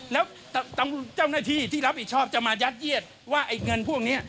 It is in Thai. แล้วเจ้าหน้าที่ที่รับผิดชอบจะมายัดเยียดว่าไอ้เงินพวกนี้